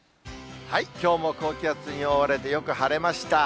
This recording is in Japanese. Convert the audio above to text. きょうも高気圧に覆われてよく晴れました。